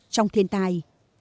trong thiên tai